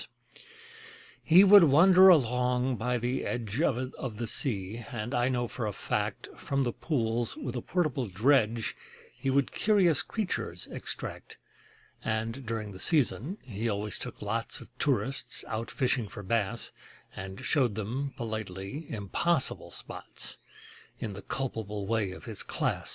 He would wander along by the edge Of the sea, and I know for a fact From the pools with a portable dredge He would curious creatures extract: And, during the season, he always took lots Of tourists out fishing for bass, And showed them politely impossible spots, In the culpable way of his class.